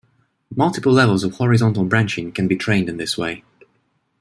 Multiple levels of horizontal branching can be trained in this way.